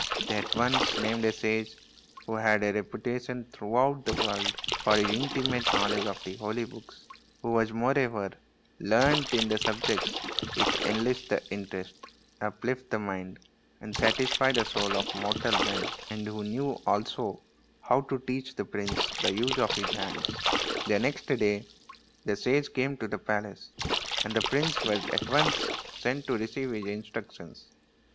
They at once named a sage who had a reputation throughout the world for his intimate knowledge of the holy books, who was, moreover, learned in the subjects which enlist the interest, uplift the mind, and satisfy the soul of mortal men, and who knew also how to teach the prince the use of his hands. The next day the sage came to the palace, and the prince was at once sent to receive his instructions.